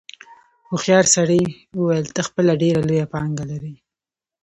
هوښیار سړي وویل ته خپله ډېره لویه پانګه لرې.